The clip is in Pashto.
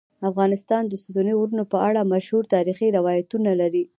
افغانستان د ستوني غرونه په اړه مشهور تاریخی روایتونه لري.